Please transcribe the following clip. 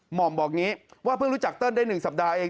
หมอมบอกอย่างนี้ว่าเพิ่งรู้จักเติ้ลได้๑สัปดาห์เอง